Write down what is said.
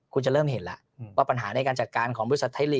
คุณจะเริ่มเห็นแล้วว่าปัญหาในการจัดการของบริษัทไทยลีก